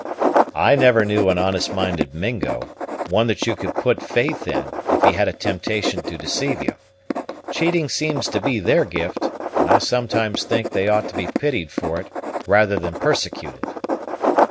"I never knew an honest minded Mingo, one that you could put faith in, if he had a temptation to deceive you. Cheating seems to be their gift, and I sometimes think they ought to be pitied for it, rather than persecuted."